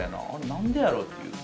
なんでやろ？っていう。